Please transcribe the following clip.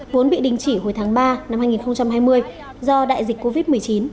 vốn bị đình chỉ hồi tháng ba năm hai nghìn hai mươi do đại dịch covid một mươi chín